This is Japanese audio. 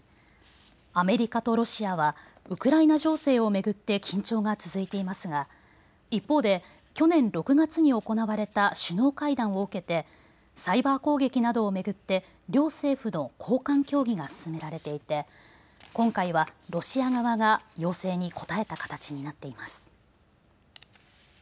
アメリカとロシアはウクライナ情勢を巡って緊張が続いていますが一方で去年６月に行われた首脳会談を受けてサイバー攻撃などを巡って両政府の高官協議が進められていて今回は、ロシア側が要請に応えた形になっています。